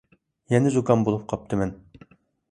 يەنە زۇكام بولۇپ قاپتىمەن.